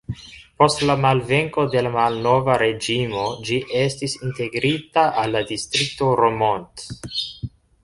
Post la malvenko de la malnova reĝimo ĝi estis integrita al la distrikto Romont.